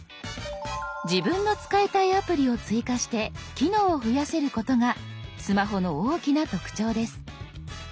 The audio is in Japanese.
自分の使いたいアプリを追加して機能を増やせることがスマホの大きな特徴です。